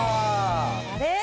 あれ？